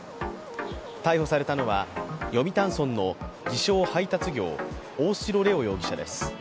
逮捕されたのは読谷村の自称・配達業、大城玲央容疑者です。